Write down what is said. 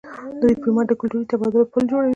ډيپلومات د کلتوري تبادلو پل جوړوي.